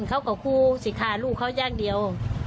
เขาก็คู่สิค่ะลูกเขายากเดียว